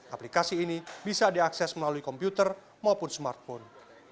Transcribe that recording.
aplikasi ini bisa diakses melalui komputer maupun smartphone